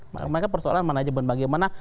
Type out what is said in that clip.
makanya persoalan mana aja bagaimana